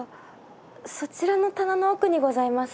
そちらの棚の奥にございます。